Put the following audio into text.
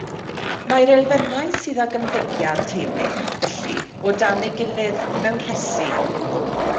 Mae'r elfennau sydd ag ymddygiad tebyg, felly, o dan ei gilydd, mewn rhesi.